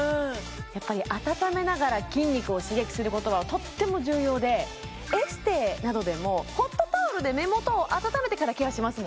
やっぱり温めながら筋肉を刺激することはとっても重要でエステなどでもホットタオルで目元を温めてからケアします